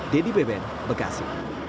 dedy beben bekasi